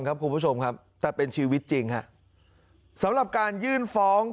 มาตามมาระราลถึงที่นี่แล้วมาคมขู่ในส่วนของพี่